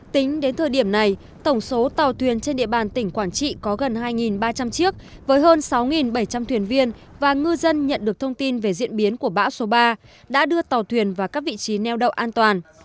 tính đến thời điểm này tổng số tàu thuyền trên địa bàn tỉnh quảng trị có gần hai ba trăm linh chiếc với hơn sáu bảy trăm linh thuyền viên và ngư dân nhận được thông tin về diễn biến của bão số ba đã đưa tàu thuyền vào các vị trí neo đậu an toàn